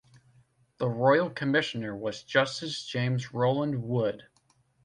The Royal Commissioner was Justice James Roland Wood.